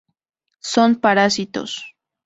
Son parásitos.